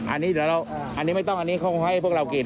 อันนี้ไม่ต้องข้องให้พวกเรากิน